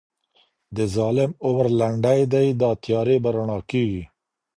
د ظالم عمر لنډی دی دا تیارې به رڼا کیږي